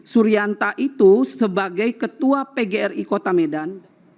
surianta itu sebagai ketua pgri kota medan